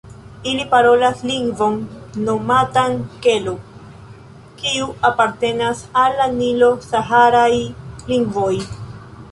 Ili parolas lingvon nomatan "Kelo", kiu apartenas al la nilo-saharaj lingvoj.